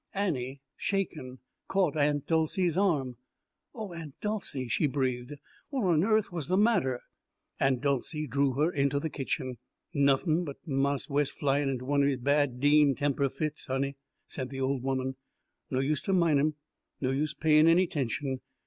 Annie, shaken, caught Aunt Dolcey's arm. "Oh, Aunt Dolcey," she breathed, "what on earth was the matter?" Aunt Dolcey drew her into the kitchen. "Nuffin' but Marse Wes flyin' int' one his bad Dean temper fits, honey," said the old woman "No use to min' him. No use payin' any 'tention.